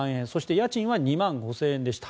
家賃は２万５０００円でした。